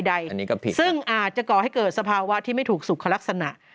อันนี้ก็ผิดซึ่งอาจจะก่อให้เกิดสภาวะที่ไม่ถูกสุขลักษณะ